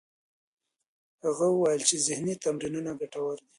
هغه وویل چې ذهنې تمرینونه ګټور دي.